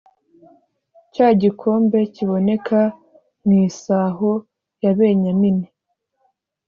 Cya gikombe kiboneka mu isaho ya benyamini